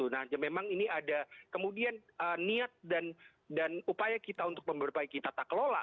nah memang ini ada kemudian niat dan upaya kita untuk memperbaiki tata kelola